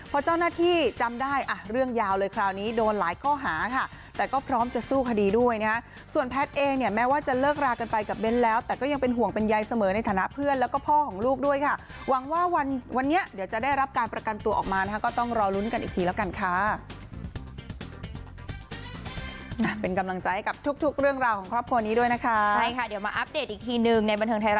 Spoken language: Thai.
พอเจ้าหน้าที่จำได้อ่ะเรื่องยาวเลยคราวนี้โดนหลายข้อหาค่ะแต่ก็พร้อมจะสู้คดีด้วยนะฮะส่วนแพทย์เองเนี่ยแม้ว่าจะเลิกรากันไปกับเบ้นแล้วแต่ก็ยังเป็นห่วงเป็นใยเสมอในฐานะเพื่อนแล้วก็พ่อของลูกด้วยค่ะหวังว่าวันวันนี้เดี๋ยวจะได้รับการประกันตัวออกมานะคะก็ต้องรอลุ้นกันอีกทีแล้วกันค่ะ